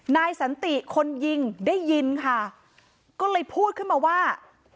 นายสันติคนยิงได้ยินค่ะก็เลยพูดขึ้นมาว่า